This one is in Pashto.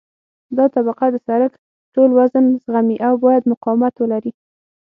دا طبقه د سرک ټول وزن زغمي او باید مقاومت ولري